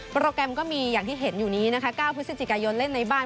โปรแกรมก็มีอย่างที่เห็นอยู่นี้นะคะ๙พฤศจิกายนเล่นในบ้าน